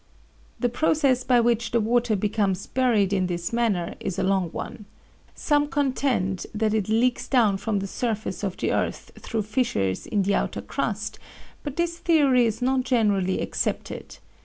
The process by which the water becomes buried in this manner is a long one. Some contend that it leaks down from the surface of the earth through fissures in the outer crust, but this theory is not generally accepted.